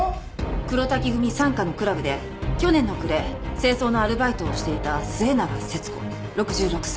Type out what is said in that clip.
黒瀧組傘下のクラブで去年の暮れ清掃のアルバイトをしていた末永節子６６歳。